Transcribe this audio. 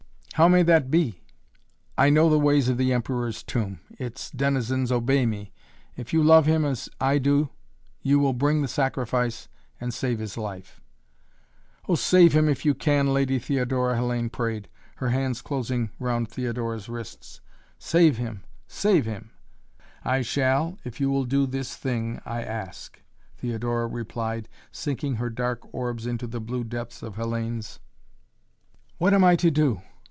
"How may that be?" "I know the ways of the Emperor's Tomb. Its denizens obey me! If you love him as I do you will bring the sacrifice and save his life." "Oh, save him if you can, Lady Theodora," Hellayne prayed, her hands closing round Theodora's wrists. "Save him save him." "I shall, if you will do this thing, I ask," Theodora replied, sinking her dark orbs into the blue depths of Hellayne's. "What am I to do?"